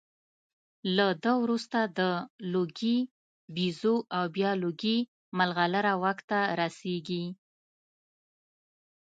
له ده وروسته د لوګي بیزو او بیا لوګي مرغلره واک ته رسېږي